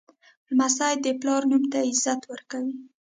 لمسی د پلار نوم ته عزت ورکوي.